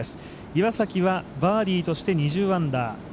岩崎はバーディーとして２０アンダー。